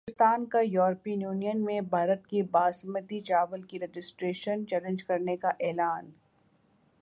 پاکستان کا یورپی یونین میں بھارت کی باسمتی چاول کی رجسٹریشن چیلنج کرنیکا اعلان